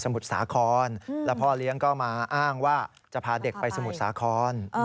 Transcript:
มุทรสาครแล้วพ่อเลี้ยงก็มาอ้างว่าจะพาเด็กไปสมุทรสาคร